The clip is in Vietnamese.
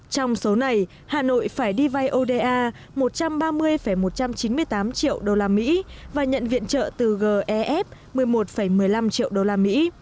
trong số này hà nội phải đi vay oda một trăm ba mươi một trăm chín mươi tám triệu đô la mỹ và nhận viện trợ từ gef một mươi một một mươi năm triệu đô la mỹ